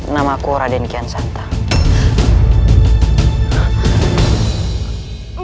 namaku raden kian santang